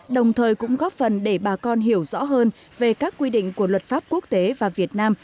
đồng thời cũng góp phần để bà con hiểu rõ hơn về các quy định của luật pháp quốc tế và việt nam